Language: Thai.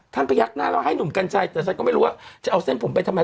ท่านไปยักษ์หน้าเราให้หนุ่มกันใจแต่ฉันก็ไม่รู้ว่าจะเอาเส้นผมไปทำไม